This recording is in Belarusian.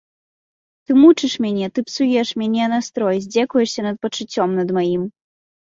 Ты мучыш мяне, ты псуеш мне настрой, здзекуешся над пачуццём над маім.